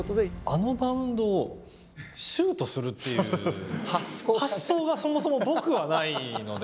あのバウンドをシュートするっていう発想がそもそも僕はないので。